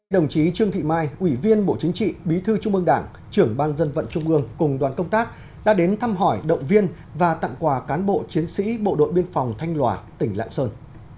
đồng chí trương thị mai ủy viên bộ chính trị bí thư trung ương đảng trưởng ban dân vận trung ương cùng đoàn công tác đã đến thăm hỏi động viên và tặng quà cán bộ chiến sĩ bộ đội biên phòng thanh lòa tỉnh lạng sơn